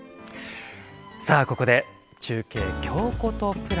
さあここで中継「京コト＋」。